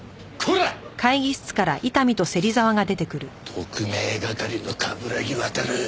特命係の冠城亘！